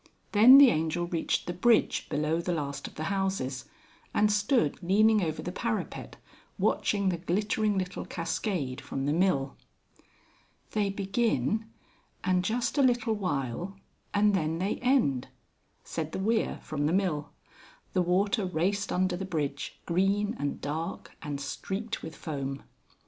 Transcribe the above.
Then the Angel reached the bridge below the last of the houses, and stood leaning over the parapet watching the glittering little cascade from the mill. "They begin, and just a little while, and then they end," said the weir from the mill. The water raced under the bridge, green and dark, and streaked with foam.